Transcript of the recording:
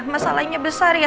masalahnya besar ya